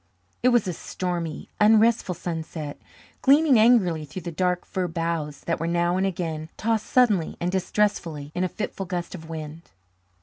It was a stormy, unrestful sunset, gleaming angrily through the dark fir boughs that were now and again tossed suddenly and distressfully in a fitful gust of wind.